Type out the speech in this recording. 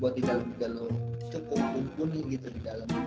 buat di dalem juga lo cukup mumpuni gitu di dalem